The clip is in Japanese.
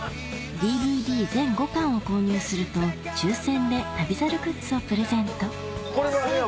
ＤＶＤ全５巻を購入すると抽選で『旅猿』グッズをプレゼントすげぇ！